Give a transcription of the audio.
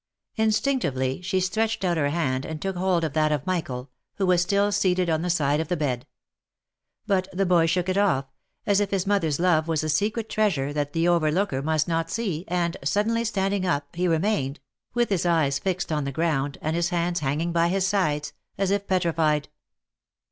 Instinctively she stretched out her hand, and took hold of that of Michael, who was still seated on the side of the bed. But the boy shook it off, as if his mother's love was a secret treasure that the overlooker must not see, and, suddenly standing up, he remained, with his eyes fixed on the ground, and his hands hanging by his sides, as if petrified.